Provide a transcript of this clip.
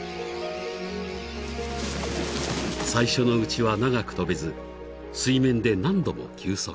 ［最初のうちは長く飛べず水面で何度も休息］